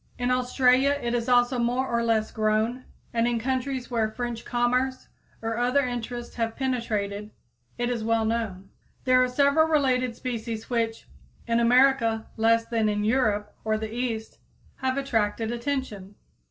In Australia it is also more or less grown, and in countries where French commerce or other interests have penetrated it is well known. [Illustration: Sweet Basil] There are several related species which, in America less than in Europe or the East, have attracted attention.